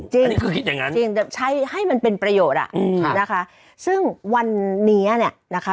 จริงแต่ใช้ให้มันเป็นประโยชน์อ่ะนะคะซึ่งวันนี้เนี่ยนะคะ